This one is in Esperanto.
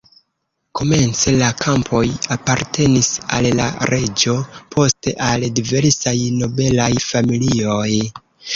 Komence la kampoj apartenis al la reĝo, poste al diversaj nobelaj familioj.